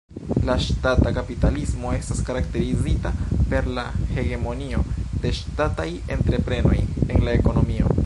La Ŝtata kapitalismo estas karakterizita per la hegemonio de ŝtataj entreprenoj en la ekonomio.